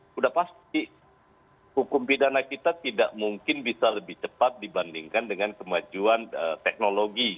sudah pasti hukum pidana kita tidak mungkin bisa lebih cepat dibandingkan dengan kemajuan teknologi